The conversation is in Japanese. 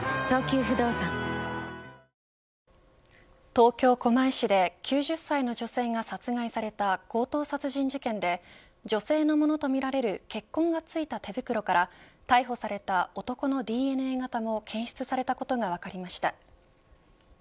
東京、狛江市で９０歳の女性が殺害された強盗殺人事件で女性のものとみられる血痕がついた手袋から逮捕された男のＤＮＡ型も検出されたことが分かりました。